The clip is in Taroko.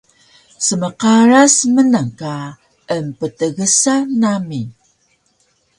Smqaras mnan ka emptgsa nami